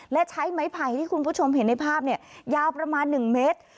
และใช้ไม้ไผ่ที่คุณผู้ชมเห็นในภาพเนี่ยยาวประมาณ๑เมตร